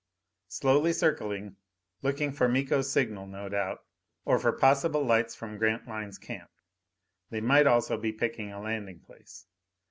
Slowly circling, looking for Miko's signal, no doubt, or for possible lights from Grantline's camp. They might also be picking a landing place.